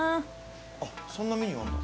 あっそんなメニューあるんだ。